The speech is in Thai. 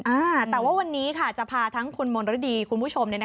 อ่าแต่ว่าวันนี้ค่ะจะพาทั้งคุณมณฤดีคุณผู้ชม